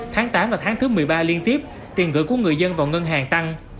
tháng tám và tháng thứ một mươi ba liên tiếp tiền gửi của người dân vào ngân hàng tăng